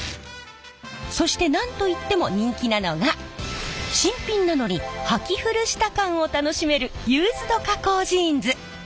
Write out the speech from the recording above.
そして何と言っても人気なのが新品なのにはき古した感を楽しめるユーズド加工ジーンズ！